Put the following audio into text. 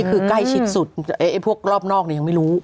อืม